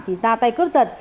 thì ra tay cướp giật